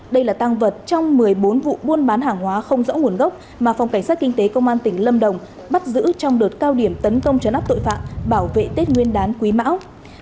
đây là tăng vật trong một mươi bốn vụ buôn bán hàng hóa không rõ nguồn gốc mà phòng cảnh sát kinh tế công an tỉnh lâm đồng bắt giữ trong đợt cao điểm tấn công chấn áp tội phạm bảo vệ tết nguyên đán quý mão